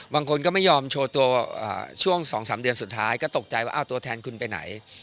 บางคนก็ไม่ยอมโชว์ตัวช่วง๒๓เดือนสุดท้ายก็ตกใจว่าตัวแทนคุณไปไหน